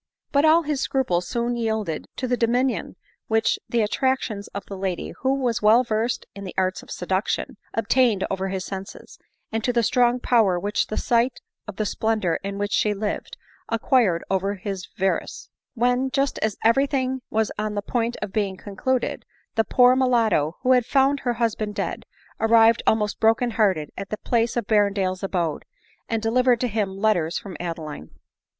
But all his scruples soon yielded to the dominion which the attractions of the lady, who was well versed in the arts of seduction, obtained over his senses, and to the strong power which the sight of the splendor in which she lived, acquired over his avarice ; when, just as every thing was on the point of being concluded, the poor mulatto, who had found her husband dead, arrived almost broken hearted at the place of Berrendale's abode, and delivered to him letters from Adeline.